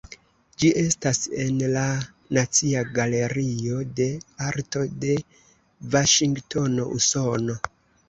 Ĝi estas en la Nacia Galerio de Arto de Vaŝingtono, Usono.